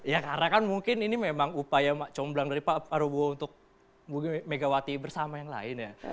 ya karena kan mungkin ini memang upaya comblang dari pak prabowo untuk megawati bersama yang lain ya